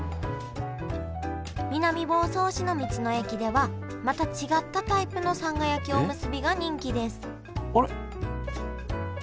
南房総市の道の駅ではまた違ったタイプのさんが焼きおむすびが人気ですあれ？